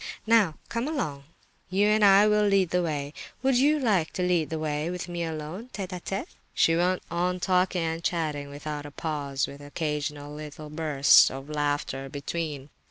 Now, come along, you and I will lead the way. Would you like to lead the way with me alone, tête à tête?" She went on talking and chatting without a pause, with occasional little bursts of laughter between.